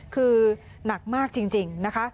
คือหนักมากจริงนะคะ